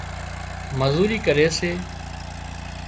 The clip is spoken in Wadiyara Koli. مزوري ڪري سي